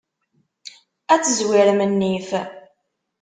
Ad tezwirem nnif.